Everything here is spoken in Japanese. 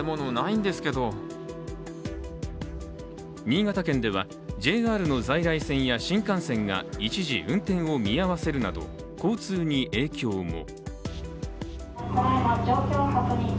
新潟県では、ＪＲの在来線や新幹線が一時、運転を見合わせるなど交通に影響も。